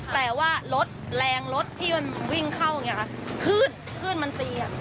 แต่ว่ารถแรงรถที่มันวิ่งเข้าอย่างนี้ค่ะขึ้นขึ้นมันตีอ่ะ